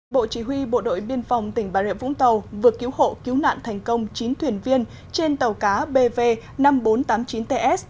bộ chỉ huy bộ đội biên phòng tỉnh bà rịa vũng tàu vừa cứu hộ cứu nạn thành công chín thuyền viên trên tàu cá bv năm nghìn bốn trăm tám mươi chín ts